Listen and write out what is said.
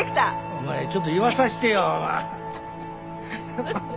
お前ちょっと言わさせてよ。